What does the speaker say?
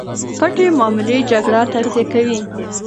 پټې معاملې جګړه تغذیه کوي.